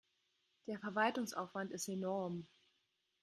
Der Verwaltungsaufwand ist enorm.